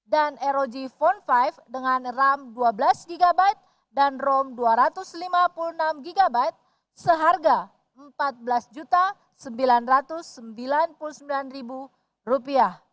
dan rog phone lima dengan ram dua belas gb dan rom dua ratus lima puluh enam gb seharga rp empat belas sembilan ratus sembilan puluh sembilan